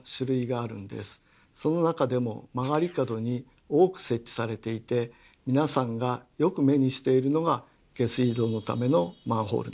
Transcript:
その中でも曲がり角に多く設置されていて皆さんがよく目にしているのが下水道のためのマンホールなんです。